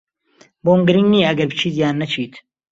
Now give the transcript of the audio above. بۆم گرنگ نییە ئەگەر بچیت یان نەچیت.